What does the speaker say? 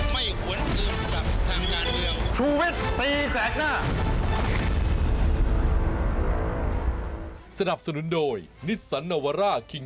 ไม่หวนเกลือบกับทางด้านเรียน